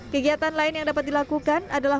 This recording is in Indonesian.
kegiatan lain yang dapat dilakukan adalah